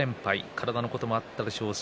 体のこともあったでしょうし、